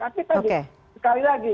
tapi tadi sekali lagi